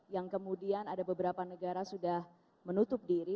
yang kemudian ada beberapa negara sudah menutup diri